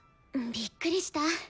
びっくりした。